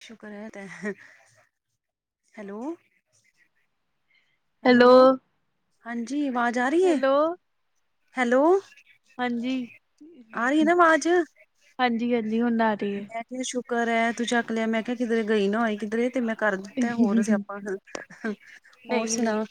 ਸ਼ੁਕਰ ਐ ਤੇ, ਹੈਲੋ। ਹੈਲੋ, ਹਾਂਜੀ ਵਾਜ਼ ਆ ਰਹੀ ਏ ਹੈਲੋ ਹੈਲੋ। ਹਾਂਜੀ ਆ ਰਹੀ ਏ ਨਾ ਆਵਾਜ਼। ਹਾਂਜੀ, ਹਾਂਜੀ ਹੁਣ ਆ ਰਹੀ ਏ। ਮੈਂ ਸ਼ੁਕਰ ਐ ਤੂੰ ਚੱਕ ਲਿਆ ਮੈਂ ਕਿਹਾ ਕਿੱਧਰੇ ਗਈ ਨਾ ਹੋਏ ਕਿਧਰੇ ਤੇ ਮੈਂ ਕਰ ਦਿੱਤਾ ਹੋਰ ਸਿਆਪਾਂ, ਹੋਰ ਨਹੀਂ ਨਹੀਂ ਸੁਣਾਅ।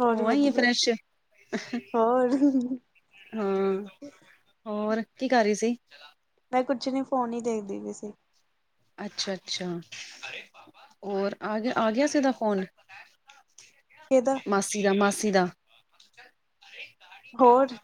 ਹੋਰ ਵਧੀਆ, ਹੋਰ। [inaudible] ਹਾਂ ਹੋਰ ਕੀ ਕਰ ਰਹੀ ਸੀ? ਮੈਂ ਕੁਛ ਨੀ ਫੋਨ ਹੀ ਦੇਖਦੀ ਪਈ ਸੀ। ਅੱਛਾ, ਅੱਛਾ ਹੋਰ ਆ ਗਿਆ, ਆ ਗਿਆ ਸੀ ੳਹਦਾ ਫੋਨ। ਕੀ ਦਾ ਮਾਸੀ ਦਾ, ਮਾਸੀ ਦਾ। ਹੋਰ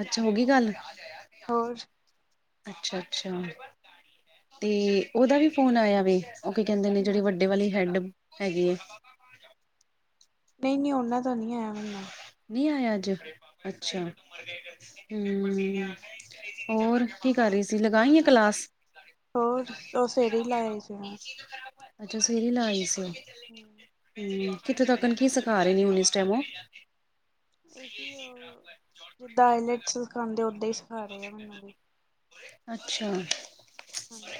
ਅੱਛਾ, ਹੋਗੀ ਗੱਲ। ਹੋਰ ਅੱਛਾ, ਅੱਛਾ ਤੇ ਉਹਦਾ ਵੀ ਫੋਨ ਆਇਆ ਵੇ। ਉਹ ਕੀ ਕਹਿੰਦੇ ਨੇ, ਜਿਹੜੀ ਹਮ ਵੱਡੇ ਵਾਲੀ ਹੈਡ ਹੈਗੀ ਏ। ਨਹੀਂ, ਨਹੀਂ ਉਹਨਾਂ ਦਾ ਨਹੀਂ ਆਇਆ ਮੈਨੂੰ। ਨਹੀਂ ਆਇਆ ਅੱਜ, ਅੱਛਾ। ਨਹੀਂ ਹੂੰ, ਹੋਰ। ਕੀ ਕਰ ਰਹੀ ਸੀ, ਲਗਾ ਆਈ ਏ ਕਲਾਸ। ਹੋਰ ਉਹ ਸਵੇਰੇ ਹੀ ਲਾਇਆ ਸੀ ਸਵੇਰੇ ਹੀ ਲਾ ਆਈ ਸੀ। ਮੈਂ ਹੂੰ ਕਿੱਥੋਂ ਤੱਕ ਕੀ ਸਿਖਾ ਰਹੇ ਨੇ ਹੁਣ ਇਸ ਟਾਈਮ ਉਹ। ਇਹੀ ਆ [inaudible] ਜਿੱਦਾਂ ਆਇਲਟ ਚ ਸਿਖਾਂਦੇ ਓਦਾਂ ਹੀ ਸਿਖਾ ਰਹੇ ਆ ਮੈਨੂੰ ਵੀ। ਅੱਛਾ। ਹਾਂਜੀ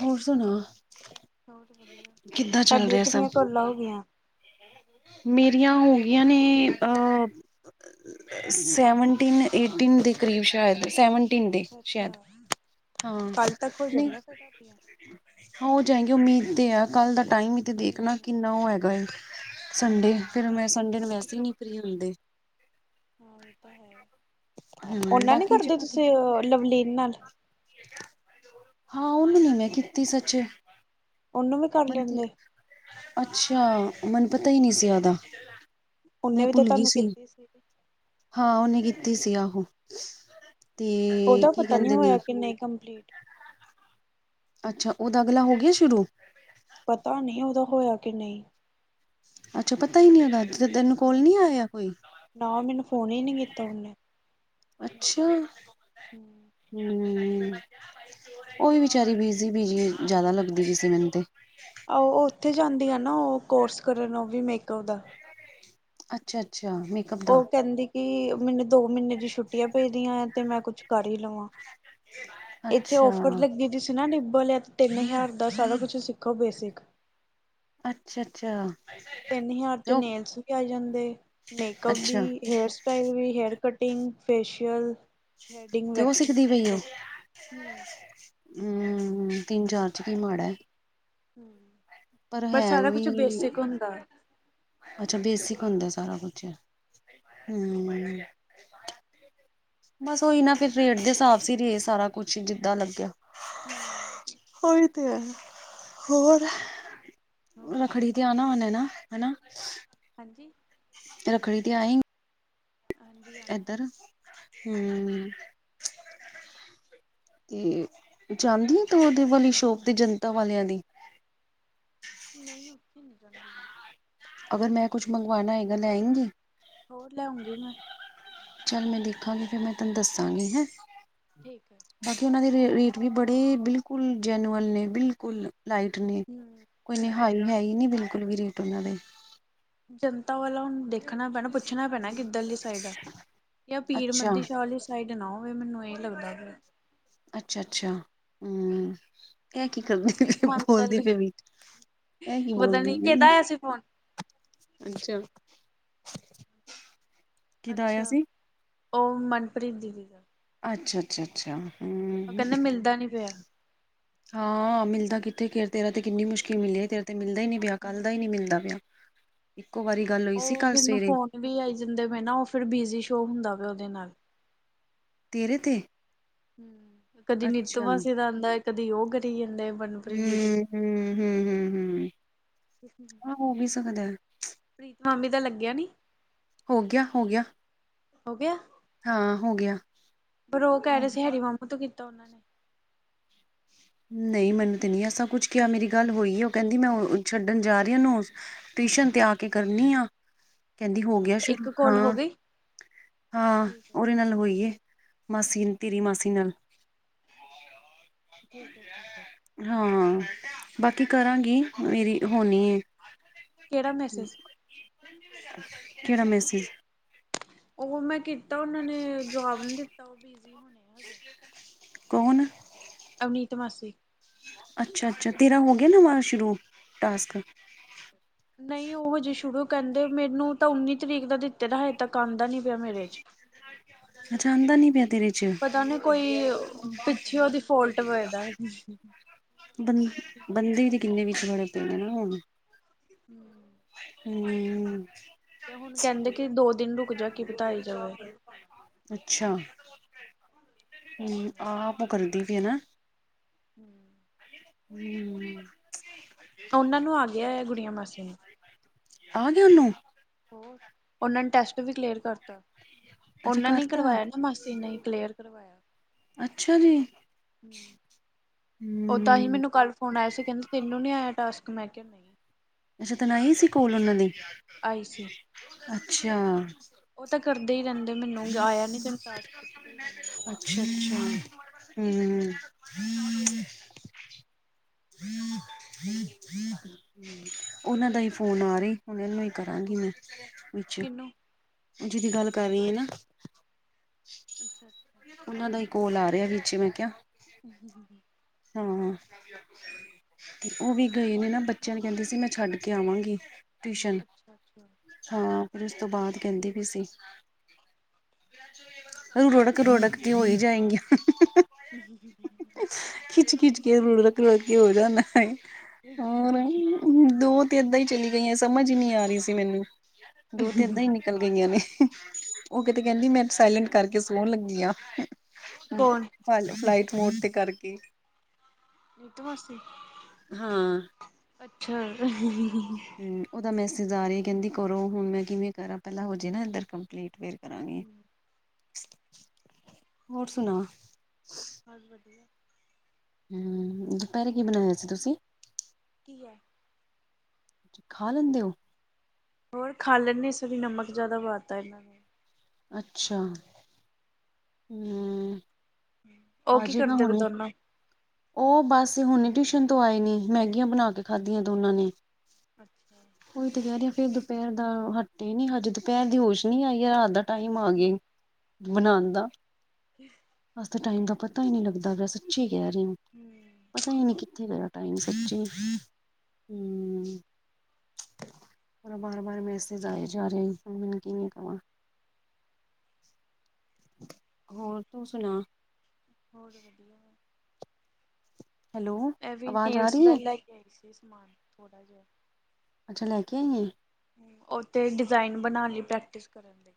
ਹੋਰ ਸੁਣਾ। ਹੋਰ ਵਧੀਆ [inaudible] ਕਿੱਦਾਂ ਚੱਲ ਤੁਹਾਡੀਆਂ ਰਿਹਾ ਸਭ ਕਿੰਨੀਆਂ ਕੋਲਾਂ ਹੋ ਗਈਆਂ। [inaudible] ਮੇਰੀਆਂ ਹੋ ਗਈਆਂ ਨੇ ਅਹ ਸੈਵਨਟੀਨ, ਏਟੀਨ ਦੇ ਕਰੀਬ ਸ਼ਾਇਦ ਸੈਵਨ ਅੱਛਾ, ਅੱਛਾ ਕੱਲ ਤੱਕ ਹੋ ਨਹੀਂ ਜਾਣੀਆਂ। ਫਿਰ ਤੁਹਾਡੀਆਂ। ਹੋ ਜਾਏਗੀ ਉਮੀਦ ਤੇ ਆ ਕੱਲ ਦਾ ਟਾਈਮ ਈ ਤੇ ਦੇਖਣਾ ਹਮ ਕਿੰਨਾ ਓ ਹੈਗਾ ਏ। ਸੰਡੇ ਫਿਰ ਮੈਂ ਸੰਡੇ ਨੂੰ ਵੈਸੇ ਹੀ ਨੀ ਫ੍ਰੀ ਹੁੰਦੀ। ਓ ਹਮ ਨਾਲ ਨੀ ਬਾਕੀ ਕਰਦੇ ਜਿਹੜਾ ਤੁਸੀਂ ਲਵਲੀਨ ਨਾਲ। ਹਾਂ ਉਹਨੂੰ ਨੀ ਮੈਂ ਕੀਤੀ ਸੱਚ। ਉਹਨੂੰ ਵੀ ਕਰ ਲੈਂਦੇ [inaudible] ਅੱਛਾ ਮੈਨੂੰ ਪਤਾ ਹੀ ਨੀ ਸੀ ਓਦਾ। ਉਹਨੇ ਵੀ ਤਾਂ ਤੁਹਾਨੂੰ ਕੀਤੀ ਸੀਗੀ। ਹਾਂ, ਉਹਨੇ ਕੀਤੀ ਸੀ ਆਹੋ ਤੇ ਕੀ, ਉਹਦਾ ਕੀ ਪਤਾ ਨੀ ਕਹਿੰਦੇ ਨੇ। ਹੋਇਆ ਕਿ ਨਹੀਂ ਕੰਪਲੀਟ ਅੱਛਾ, ਉਹਦਾ ਅਗਲਾ ਹੋ ਗਿਆ ਸ਼ੁਰੂ। ਪਤਾ ਨਹੀਂ ਉਹਦਾ ਹੋਇਆ ਕਿ ਨਹੀਂ। ਅੱਛਾ, ਪਤਾ ਹੀ ਨਹੀਂ ਓਦਾਂ ਤੈਨੂੰ ਕੋਲ ਨਹੀਂ ਆਇਆ ਕੋਈ। ਨਾ ਮੈਨੂੰ ਫੋਨ ਹੀ ਨੀ ਕੀਤਾ ਉਹਨੇ। ਅੱਛਾ। ਹੂੰ। ਹੂੰ ਉਹੀ ਵਿਚਾਰੀ ਬੀਜੀ ਬੀਜੀ ਜਿਆਦਾ ਲੱਗਦੀ ਪਈ ਸੀ ਮੈਨੂੰ ਤੇ। ਆਹੋ ਉੱਥੇ ਜਾਂਦੀ ਆ ਨਾ ਉਹ ਕੋਰਸ ਕਰਨ ਉਹ ਵੀ ਮੇਕਅਪ ਦਾ। ਅੱਛਾ, ਅੱਛਾ। ਮੇਕਅਪ ਦਾ ਉਹ ਕਹਿੰਦੀ ਕਿ ਮੈਨੂੰ ਦੋ ਮਹੀਨੇ ਦੀ ਛੁੱਟੀਆਂ ਪਈਦੀਆਂ ਐ ਤੇ ਮੈਂ ਕੁਛ ਕਰ ਹੀ ਲਵਾਂ। ਇੱਥੇ ਅੱਛਾ ਔਫਰ ਲੱਗੀ ਦਿਸ ਇਹ ਨਾ ਡਿੱਬਾ ਲਿਆ ਤੇ ਤਿੰਨ ਹਜ਼ਾਰ ਦਾ ਸਾਰਾ ਕੁੱਛ ਸਿੱਖੋ ਬੇਸਿਕ ਅੱਛਾ ਅੱਛਾ ਤਿੰਨ ਹਜ਼ਾਰ ਤੇ ਚ ਉਹ ਨੇਲਸ ਵੀ ਆ ਜਾਂਦੇ ਮੇਕਅੱਪ ਅੱਛਾ ਵੀ ਹੇਅਰ ਸਟਾਈਲ ਵੀ ਹੇਅਰ ਕਟਿੰਗ ਫੇਸ਼ੀਅਲ ਥਰੈਡਿੰਗ ਤੇ ਉਹ ਵੈਕਸਿੰਗ ਸਿੱਖਦੀ ਸਾਰਾ ਪਈ ਉਹ ਕੁੱਛ ਹਮ ਹਮ ਤਿੰਨ ਚਾਰ ਚ ਕੀ ਮਾੜਾ ਹੈ। ਹ ਪਰ ਹੈ ਸਾਰਾ ਵੀ ਕੁਛ ਬੇਸਿਕ ਹੁੰਦਾ, ਅੱਛਾ ਬੇਸਿਕ ਹੁੰਦਾ ਸਾਰਾ ਕੁੱਛ ਹਮ ਬੱਸ ਉਹੀ ਨਾ ਫਿਰ ਰੇਟ ਦੇ ਹਿਸਾਬ ਸੀ ਰੇ ਸਾਰਾ ਕੁੱਛ ਹੀ ਜਿੱਦਾਂ ਲੱਗਿਆ [inaudible] ਉਹੀ ਤੇ ਹੈ ਹੋਰ ਬਹੁਤ ਰੱਖੜੀ ਵਧੀਆ ਤੇ ਆਨਾ ਉਹਨੇ ਨਾਂ ਹਨਾ ਹਾਂਜੀ ਤੇ ਰੱਖੜੀ ਤੇ ਆਏਂਗੀ ਹਾਂਜੀ ਆਣਾ ਹੈ ਇੱਧਰ ਆਣਾ ਹੈ ਹਮ ਤੇ ਜਾਂਦੀ ਏ ਤੂੰ ਉਦੇ ਵਾਲੀ ਸ਼ੋਪ ਦੀ ਜਨਤਾ ਵਾਲਿਆਂ ਦੀ, ਨਹੀਂ ਉੱਥੇ ਨੀ ਜਾਂਦੀ ਅਗੱਰ ਮੈਂ ਕੁੱਛ ਮੰਗਵਾਨਾ ਹੈਏਗਾ ਲ ਐ ਆਏਂਗੀ ਹੋਰ ਲੇ ਆਉਂਗੀ ਮੈਂ ਚੱਲ ਮੈਂ ਦੇਖਾਂਗੀ ਫਿਰ ਮੈਂ ਤੁਹਾਨੂੰ ਦੱਸਾਂਗੀ ਹੈਂ। ਠੀਕ ਹੈ। ਬਾਕੀ ਉਹਨਾਂ ਦੇ ਰੇਟ ਵੀ ਬੜੇ ਬਿਲਕੁੱਲ ਜੈਨੂਅਨ ਨੇ ਬਿਲਕੁੱਲ ਲਾਈਟ ਨੇ, ਹਮ ਕੋਈ ਨੀ ਹਾਈ ਹੈ ਹੀ ਨਹੀਂ ਬਿਲਕੁਲ ਵੀ ਰੇਟ ਉਹਨਾਂ ਦੇ ਜੰਨਤਾ ਵਾਲਿਆਂ ਦੇਖ ਦੇਖਣਾ ਪੈਣਾ ਪੁੱਛਣਾ ਪੈਣਾ ਕਿੱਧਰੀ ਸਾਈਡ ਆ ਜਾਂ ਪੀਰ ਅੱਛਾ ਮੱਦੀ ਸ਼ਾਹੀ ਸਾਈਡ ਨਾ ਹੋਵੇ ਮੈਨੂੰ ਇਹ ਲੱਗਦਾ ਕਿ ਅੱਛਾ ਅੱਛਾ ਹਮ ਇਹ ਕੀ ਕਰਦੀ ਪ੍ਰੀਤ ਪਈ ਮਾਮੀ ਦਾ ਬੋਲਦੀ ਪਈ ਵੀ ਇਹ ਕੀ ਪਤਾ ਬੋਲਦੀ ਨੀ ਪਈ ਕਿਹਦਾ ਆਇਆ ਸੀ ਫੋਨ ਅੱਛਾ ਕਿਦਾ ਆਇਆ ਅੱਛਾ ਸੀ? ਉਹ ਮਨਪ੍ਰੀਤ ਦੀਦੀ ਦਾ ਅੱਛਾ ਅੱਛਾ ਅੱਛਾ ਉਹ ਕਹਿੰਦਾ ਮਿਲਦਾ ਨੀ ਪਿਆ, ਹਾਂ ਮਿਲਦਾ ਕਿੱਥੇ ਫਿਰ ਤੇਰਾ ਤੇ ਕਿੰਨੀ ਮੁਸ਼ਕਿਲ ਮਿਲਦੇ ਤੇਰਾ ਤੇ ਮਿਲਦਾ ਹੀ ਨਹੀਂ ਤੇਰਾ ਕੱਲ ਦਾ ਹੀ ਨਹੀਂ ਮਿਲਦਾ ਪਿਆ ਇੱਕੋ ਵਾਰੀ ਗੱਲ ਹੋਈ ਸੀ ਉਹ ਕੱਲ ਮੈਨੂੰ ਸਵੇਰੇ ਫੋਨ ਵੀ ਆਈ ਜਾਂਦੇ ਪਏ ਨਾ ਉਹ ਫਿਰ ਬਿਜੀ ਸ਼ੋਅ ਹੁੰਦਾ ਪਿਆ ਉਹਦੇ ਨਾਲ ਤੇਰੇ ਤੇ ਹਮ ਕਦੀ ਨਿੱਤ ਅੱਛਾ ਮਾਸੀ ਦਾ ਆਂਦਾ ਕਦੀ ਉਹ ਕਰੀ ਜਾਂਦਾ ਹੈ ਮਨਪ੍ਰੀਤ ਦੀਦੀ ਹਮ ਹਮ ਹਮ ਹਮ ਪ੍ਰੀਤ ਮਾਮੀ ਦਾ ਲੱਗਿਆ ਨੀ ਹੋ ਗਿਆ ਹੋ ਗਿਆ ਹੋ ਗਿਆ ਹਾਂ ਹੋ ਗਿਆ ਬਰੋ ਕਹਿ ਰਹੇ ਸੀ ਹਰੀ ਮਾਮਾ ਤੋਂ ਕੀਤਾ ਉਹਨਾਂ ਨੇ ਨਹੀਂ ਮੈਨੂੰ ਤੇ ਨਹੀਂ ਐਸਾ ਕੁੱਛ ਕਿਹਾ ਮੇਰੀ ਗੱਲ ਹੋਈ ਹੈ ਉਹ ਕਹਿੰਦੀ ਮੈਂ ਉਹ ਛੱਡਣ ਜਾ ਰਹੀ ਆ ਉਹਨੂੰ ਟਿਊਸ਼ਨ ਤੇ ਆ ਕੇ ਕਰਨੀ ਆ। ਕਹਿੰਦੀ ਹੋ ਅੱਛਾ ਗਿਆ ਅੱਛਾ ਸ਼ੁਰੂ ਇੱਕ ਕੋਲ ਹੋ ਹਾਂ, ਗਈ ਹਾਂ ਠੀਕ ਹੈ ਉਹਦੇ ਠੀਕ ਨਾਲ ਹੈ ਹੋਈ ਏ। ਮਾਸੀ ਤੇਰੀ ਮਾਸੀ ਨਾਲ ਠੀਕ ਹੈ ਠੀਕ ਹੈ। ਹਾਂ, ਬਾਕੀ ਕਰਾਂਗੀ ਮੇਰੀ ਹੋਣੀ ਏ, ਕਿਹੜਾ ਮੈਸੇਜ ਕਿਹੜਾ ਮੈਸੇਜ। ਉਹ ਮੈਂ ਕੀਤਾ ਉਹਨਾਂ ਨੇ ਜਵਾਬ ਨੀ ਦਿੱਤਾ ਉਹ ਬਿਜੀ ਹੋਣੇ ਹਜੇ। ਕੌਣ? ਅਵਨੀਤ ਮਾਸੀ। ਅੱਛਾ-ਅੱਛਾ ਤੇਰਾ ਹੋ ਗਿਆ ਨਵਾ ਸ਼ੁਰੂ ਟਾਸਕ। ਨਹੀਂ ਉਹ ਹਜੇ ਸ਼ੁਰੂ ਕਹਿੰਦੇ ਮੈਨੂੰ ਤਾਂ ਉੱਨੀ ਤਰੀਕ ਦਾ ਦਿੱਤੇ ਦਾ ਹਜੇ ਤੱਕ ਆਉਂਦਾ ਨੀ ਪਿਆ ਮੇਰੇ 'ਚ। ਅੱਛਾ ਆਂਦਾ ਨੀ ਪਿਆ ਤੇਰੇ ਚ। ਪਤਾ ਨੀ ਕੋਈ ਪਿੱਛੇ ਉਹਦੀ ਫੋਲਟ ਹੋਏਦਾ। ਬੰ ਬੰਦੇ ਤੇ ਕਿੰਨੇ ਵਿੱਚ ਖੜੇ ਪਏ ਨੇ ਨਾ ਹੁਣ। ਹੂੰ ਹੂੰ ਤੇ ਹੁਣ ਕਹਿੰਦੇ ਕਿ ਦੋ ਦਿਨ ਰੁਕ ਜਾ ਕੀ ਪਤਾ ਆ ਈ ਜਾਵੇ। ਅੱਛਾ, ਹੂੰ ਆਪ ਉਹ ਕਰਦੀ ਤੇ ਨਾ। ਹੂੰ [unintelligible] ਉਹਨਾਂ ਨੂੰ ਆ ਗਿਆ ਹੈ ਗੁੜੀਆਂ ਮਾਸੀ ਨੂੰ। ਆ ਗਿਆ ਉਹਨੂੰ! ਹੋਰ ਉਹਨਾਂ ਨੇ ਟੈਸਟ ਵੀ ਕਲੀਅਰ ਕਰਤਾ। ਅੱਛਾ ਉਹਨਾਂ ਨੇ ਕਰਤਾ ਕਰਵਾਇਆ ਨਾ ਮਾਸੀ ਨੇ ਹੀ ਕਲੀਅਰ ਕਰਵਾਇਆ। ਅੱਛਾ ਜੀ। ਉਹ ਤਾਂ ਹੀ ਹੂੰ ਮੈਨੂੰ ਕੱਲ ਫੋਨ ਆਇਆ ਸੀ ਕਹਿੰਦੇ ਤੈਨੂੰ ਨੀ ਆਇਆ ਟਾਸਕ ਮੈਂ ਕਿਹਾ ਨਹੀਂ। ਅੱਛਾ ਜਿੱਦਣ ਆਈ ਸੀ ਕੋਲ ਉਹਨਾਂ ਦੀ, ਆਈ ਸੀ ਅੱਛਾ। ਉਹ ਤਾਂ ਕਰਦੇ ਹੀ ਰਹਿੰਦੇ ਮੈਨੂੰ ਆਇਆ ਨੀ ਤੈਨੂੰ ਟਾਸਕ ਪਾਸ ਪੁੱਛਦੇ ਹੀ ਰਹਿੰਦੇ ਆ। ਅੱਛਾ-ਅੱਛਾ ਹੂੰ। ਉਹਨਾਂ ਦਾ ਹੀ ਫੋਨ ਆ ਰਹੀ ਉਹ ਨੂੰ ਹੀ ਕਰਾਂਗੀ ਮੈਂ, ਵਿੱਚ। ਕਿਹਨੂੰ ਜਿਹਦੀ ਗੱਲ ਕਰ ਰਹੀ ਆ ਨਾ। ਅੱਛਾ। ਅੱਛਾ ਉਹਨਾਂ ਦਾ ਹੀ ਕੋਲ ਆ ਰਿਹਾ ਵਿੱਚ ਮੈਂ ਕਿਹਾ। ਹੂੰ ਹਾਂ। ਤੇ ਉਹ ਵੀ ਗਏ ਨੇ ਨਾ ਬੱਚਿਆਂ ਨੂੰ ਕਹਿੰਦੇ ਸੀ ਮੈਂ ਛੱਡ ਕੇ ਆਵਾਂਗੀ। ਟਿਊਸ਼ਨ। ਅੱਛਾ ਅੱਛਾ ਹਾਂ ਫਿਰ ਉਸ ਤੋਂ ਬਾਅਦ ਕਹਿੰਦੀ ਵੀ ਸੀ। ਰੌੜਕ ਰੌੜਕ ਤੇ ਹੋ ਹੀ ਜਾਏਗੀਆਂ। ਹੂੰ ਖਿੱਚ-ਖਿੱਚ ਕੇ ਰੁੜਕ ਰੁੜ ਕੇ ਹੋ ਜਾਂਦਾ ਹੈ ਹੋਰ। ਦੋ ਤੇ ਏਦਾਂ ਹੀ ਚਲੀ ਗਈਆਂ ਸਮਝ ਹੀ ਨਹੀਂ ਆ ਰਹੀ ਸੀ ਮੈਨੂੰ, ਦੋ ਤੇ ਏਦਾਂ ਹੀ ਚਲ ਗਈਆਂ ਨੇ। ਉਹ ਕਿਤੇ ਕਹਿੰਦੀ ਮੈਂ ਸਾਇਲੈਂਟ ਕਰਕੇ ਸੋਣ ਲੱਗੀ ਆ। ਹੂੰ ਕੌਣ? ਫਲਾਈਟ ਮੋਡ ਤੇ ਕਰਕੇ। ਨੀਤੂ ਮਾਸੀ। [inaudible] ਅੱਛਾ ਏ ਨਾ। ਉਹਦਾ ਮੈਸੇਜ ਆ ਰਿਹਾ ਕਹਿੰਦੀ ਕਰੋ ਹੁਣ ਮੈਂ ਕਿਵੇਂ ਕਰਾਂ ਪਹਿਲਾਂ ਹੋ ਜੇ ਨਾ ਇੱਧਰ ਕੰਪਲੀਟ ਫਿਰ। ਕਰਾਂਗੇ ਹੋਰ ਸੁਣਾਓ? ਬਹੁਤ ਵਧੀਆ। ਹਮ ਦੁਪਹਿਰੇ ਕੀ ਬਣਾਇਆ ਸੀ ਤੁਸੀਂ? ਕੀ ਹੈ। ਖਾ ਲੈਂਦੇ ਹੋ? ਹੋਰ ਖਾ ਲੈਂਦੇ ਇਸ ਵਾਰ ਨਮਕ ਜਿਆਦਾ ਪਾ ਤਾ ਇਹਨਾਂ ਨੂੰ। ਅੱਛਾ। ਹਮ। ਉਹ ਆ ਕੀ ਜਾਏਗਾ ਕਰਦੇ ਪਏ ਹੁਣੇ ਦੋਨੋਂ ਉਹ ਬਸ ਹੁਣੇ ਟਿਊਸ਼ਨ ਤੋਂ ਆਏ ਨੀ ਮੈਗੀਆਂ ਬਣਾ ਕੇ। ਕੇ ਅੱਛਾ ਖਾਧੀਆਂ ਅੱਛਾ ਦੋਨਾਂ ਨੇ। ਅੱਛਾ ਉਈ ਤੇ ਕਹਿ ਰਿਹੀ ਫਿਰ ਦੁਪਹਿਰ ਦਾ ਹੱਟੇ ਨੀ ਹਜ ਦੁਪਹਿਰ ਦੀ ਹੋਸ਼ ਨੀ ਆਈ ਹੈ। ਰਾਤ ਦਾ ਟਾਈਮ ਆ ਗਿਆ ਈ ਬਣਾਣ ਦਾ। ਪਤਾ ਹੀ ਨਹੀਂ ਲਗਦਾ ਪਿਆ ਸੱਚੀ ਕਹਿ ਰਹੀ। ਹਮ [inaudible] ਪਤਾ ਹੀ ਨਹੀਂ ਕਿਥੇ ਮੇਰਾ ਟਾਈਮ ਸਚੀ ਹੂ। ਬਾਰ- ਬਾਰ ਮੈਸੇਜ ਆਏ ਜਾ ਰਹੇ ਮੈ ਹੁਣ ਕਿਵੇਂ ਕਹਾਂ। ਹੋਰ ਤੂੰ ਸੁਣਾ? ਹੋਰ ਵਧੀਆ। ਹੈਲੋ ਇਹ ਵੀ ਆਵਾਜ਼ ਆ ਨੇਲਸ ਰਹੀ ਦਾ ਹੈ ਲੈ ਕੇ ਆਈ ਸੀ ਸਮਾਨ ਥੋੜਾ ਜਿਹਾ। ਅੱਛਾ ਲੈਕੇ ਆਈ ਏ? ਉਹ ਤੇ ਡਿਜ਼ਾਇਨ ਬਣਾਉਣ ਲਈ ਪ੍ਰੈਕਟਿਸ ਕਰਨ ਲਈ।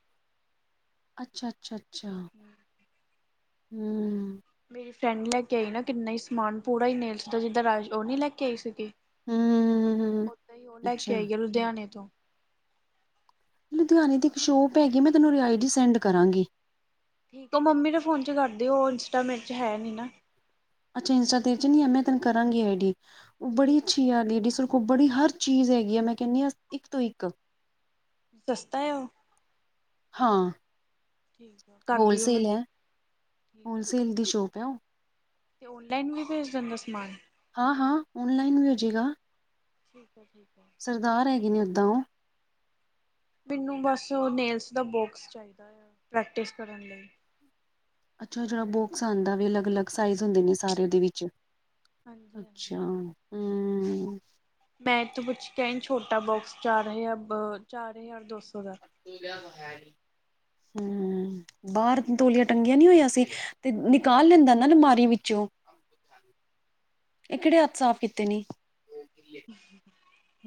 ਅੱਛਾ- ਅੱਛਾ- ਅੱਛਾ ਹੂ। ਮੇਰੀ ਫਰੈਡ ਲੈ ਕੇ ਆਈ ਨਾ ਕਿਨਾ ਹੀ ਸਮਾਨ ਪੂਰਾ ਹੀ ਨੇਲਜ ਦਾ ਜਿੱਦਾਂ ਰਾਜ ਉਹ ਨਹੀਂ ਲੈ ਕੇ ਆਈ ਸੀਗੀ। ਹੂੰ ਓਦਾਂ ਹੀ ਉਹ ਲੈ ਅੱਛਾ ਕੇ ਆਈ ਆਈ ਲੁਧਿਆਣੇ ਤੋ। ਲੁਧਿਆਣੇ ਦੀ ਇਕ ਸ਼ੋਪ ਹੈਗੀ ਮੈਂ ਤੈਨੂੰ ਆਈ ਡੀ ਸੈਡ ਕਰਾਂਗੀ। ਤੂੰ ਉਹ ਮੰਮੀ ਦੇ ਫੋਨ 'ਚ ਕਰ ਦੀ ਉਹ ਇੰਸਟਾ ਮੇਰੇ 'ਚ ਹੈ ਨਹੀ ਨਾ। ਅੱਛਾ ਇੰਸਟਾ ਤੇਰੇ 'ਚ ਨੀ ਮੈ ਤੈਨੂੰ ਕਰਾਗੀ ਆਈ ਡੀ ਉਹ ਬੜੀ ਠੀਕ ਅਛੀ ਠੀਕ। ਆ ਲੇਡੀਜ਼। ਉਹ ਬੜੀ ਹਰ ਚੀਜ ਹੈਗੀ ਆ ਮੈਂ ਕਹਿਦੀ ਹਾਂ ਇਕ ਤੋਂ ਇਕ। ਸਸਤਾ ਹੈ ਉਹ? ਹਾਂ ਠੀਕ ਆ ਕਰ ਦਿਓ ਹੋਲਸੇਲ ਮੈਨੂੰ ਹੈ। ਠੀਕ ਆ ਜੀ। ਹੋਲਸੇਲ ਦੀ ਸ਼ੋਪ ਹੈ। ਉਹ- ਤੇ ਔਨਲਾਈਨ ਵੀ ਭੇਜ ਦਿੰਦਾ ਸਮਾਨ। ਹਾਂ- ਹਾਂ ਔਨਲਾਈਨ ਵੀ ਹੋ ਜਾਏਗਾ। ਠੀਕ ਹੈ। ਠੀਕ ਹੈ। ਸਰਦਾਰ ਹੈਗੇ ਨੇ ਉਦਾਂ ਉਹ ਮੈਨੂੰ ਬਸ ਨੇਲਸ ਦਾ ਬੋਕਸ ਚਾਹੀਦਾ ਆ ਪ੍ਰੈਕਟਿਸ ਕਰਨ ਲਈ ਅੱਛਾ ਅੱਛਾ ਬਾਕਸ ਆਉਦਾ ਅਲਗ- ਅਲਗ- ਸਾਈਜ਼ ਹੂੰ ਹੁੰਦੇ ਨੇ ਸਾਰੇ ਉਦੇ ਵਿਚ ਵੀ ਹਾਂਜੀ ਹਾਂਜੀ। ਅਛਾ ਹੂ। ਮੈਂ ਇਥੋਂ ਪੁੱਛ ਕੇ ਆਈ ਛੋਟਾ ਬੋਕਸ ਚਾਰ- ਚਾਰ ਹਜ਼ਾਰ ਦੋ ਸੋ ਦਾ। ਹੂ- ਬਾਹਰ ਤੋਲੀਆਂ ਟੰਗਿਆ ਨੀ ਹੋਇਆ ਸੀ ਤੇ ਨਿਕਾਲ ਲੈਦਾ ਨਾ ਅਲਮਾਰੀ ਵਿਚੋ? ਇਹ ਕਿਹੜੇ ਹੱਥ ਸਾਫ਼ ਕੀਤੇ ਨੇ।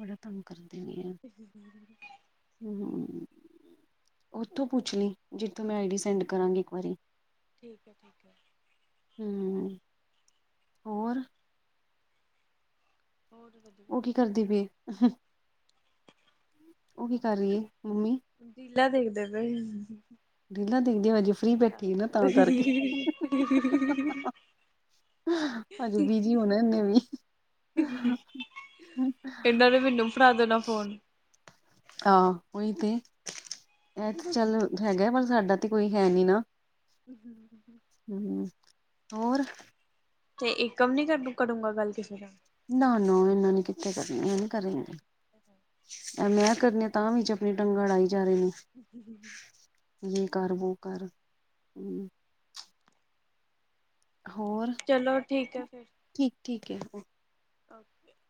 ਬੜਾ ਤੰਗ ਕਰਦੇ ਨੇ ਐ। ਹੂੰ - ਉਥੋਂ ਪੁਛ ਲਈ ਜਿਥੋਂ ਮੈ ਆਈ ਡੀ ਸੈਂਡ ਕਰਾਂਗੀ ਇਕ ਵਾਰੀ। ਠੀਕ ਹੈ। ਠੀਕ ਹੈ। ਹੂੰ ਹੋਰ- ਬਹੁਤ ਵਧੀਆ- ਉਹ ਕੀ ਕਰਦੀ ਪਈ- ਉਹ ਕੀ ਕਰ ਰਹੀ ਹੈ। ਮੰਮੀ ਰੀਲਾ ਦੇਖਦੇ ਪਏ। ਰੇਲਾਂ ਦੇਖਦੇ ਹੋਏ ਗ। [unintelligible] ਹਜੇ ਬਿਜੀ ਹੋਣਾ ਇਹਨੇ ਵੀ ਇਹਨਾ ਨੇ ਮੈਨੂੰ ਫੜਾ ਦੇਣਾ ਫੋਨ ਹਾਂ ਉਹੀ ਤੇ ਇਹ ਤੇ ਚਲ ਹੈਗਾ ਪਰ ਸਾਡਾ ਤੇ ਕੋਈ ਹੈ ਨੀ ਨਾ ਹਮ [inaudible] ਹੂੰ ਹੋਰ- ਤੇ ਇੱਕਮ ਨੀ [unintelligible] ਨਾ-ਨਾ ਇਹਨਾਂ ਨੇ ਕਿੱਥੇ ਕਰਨਾ ਐਹ ਨੀ ਕਰਨ ਗੇ ਐਹ ਮੈਂ ਕਰਨੀੇ ਆਂ ਤਾਂ ਵੀ ਆਪਣੀ ਟੰਗ ਅੜਾਈ ਜਾ ਰਹੇ ਨੇ [inaudible] ਯੇ ਕਰ ਵੋ ਕਰ ਹੁੰ ਹੋਰ ਚਲੋ ਠੀਕ ਹੈ ਫਿਰ। ਠੀਕ-ਠੀਕ ਹੈ। [inaudible]